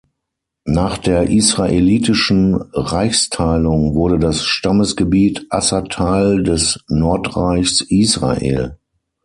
Nach der israelitischen Reichsteilung wurde das Stammesgebiet Asser Teil des Nordreichs Israel.